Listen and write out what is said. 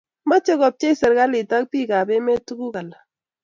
machei kobchei serikalit ak bikab emet tuguk alak